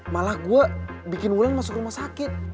malah gue bikin wulan masuk rumah sakit